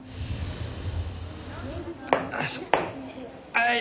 はい。